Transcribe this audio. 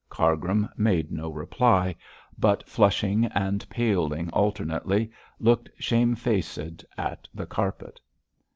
Cargrim made no reply, but, flushing and paling alternately, looked shamefaced at the carpet.